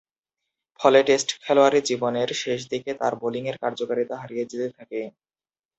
ফলে টেস্ট খেলোয়াড়ী জীবনের শেষ দিকে তার বোলিংয়ের কার্যকারিতা হারিয়ে যেতে থাকে।